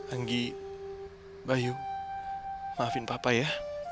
anggi bayu maafin papa ya